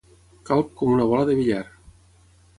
Calb com una bola de billar.